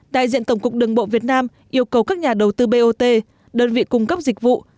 đại diện tổng cục đường bộ việt nam yêu cầu các nhà đầu tư bot đơn vị cung cấp dịch vụ